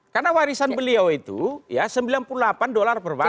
karena warisan beliau itu sembilan puluh delapan dolar per baris